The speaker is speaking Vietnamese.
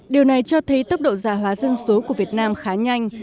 điều này cho thấy tốc độ giả hóa dân số của việt nam khá nhanh